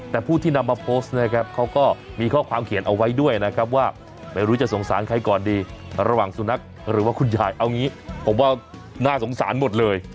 แต่ผู้ที่นำมาโพสต์นะครับเขาก็มีข้อความเขียนเอาไว้ด้วยนะครับว่าไม่รู้จะสงสารใครก่อนดีระหว่างสุนัขหรือว่าคุณยายเอางี้ผมว่าน่าสงสารหมดเลย